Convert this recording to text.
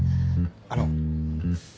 あの。